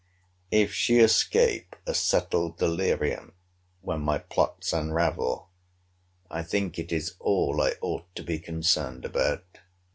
If she escape a settled delirium when my plots unravel, I think it is all I ought to be concerned about.